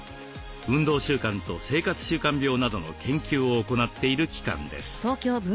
運動習慣と生活習慣病などの研究を行っている機関です。